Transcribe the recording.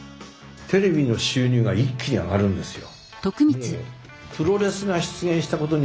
テレビの収入が一気に上がるんですよ。